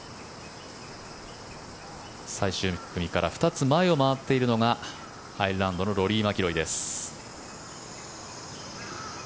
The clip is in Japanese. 最終組から２つ前を回っているのがアイルランドのローリー・マキロイです。